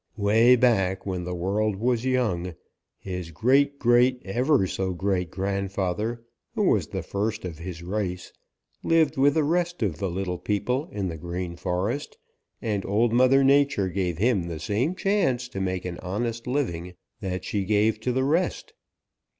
"Way back when the world was young, his great great ever so great grandfather, who was the first of his race, lived with the rest of the little people in the Green Forest, and Old Mother Nature gave him the same chance to make an honest living that she gave to the rest.